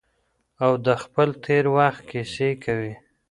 او د خپل تیر وخت کیسې کوي.